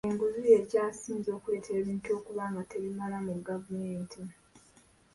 Enguzi y'ekyasinze okuleetera ebintu okuba nga tebimala mu gavumenti.